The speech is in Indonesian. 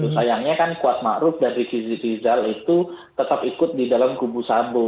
sayangnya kan kuat ma'ruf dan rizal itu tetap ikut di dalam kubu sambo